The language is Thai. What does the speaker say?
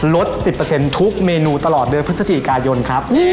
ลด๑๐ทุกเมนูตลอดเดือนพฤศจิกายนครับ